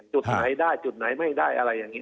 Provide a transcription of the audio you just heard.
จุดไหนได้จุดไหนไม่ได้อะไรอย่างนี้